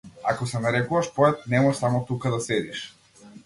Ако се нарекуваш поет, немој само тука да седиш.